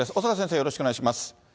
よろしくお願いします。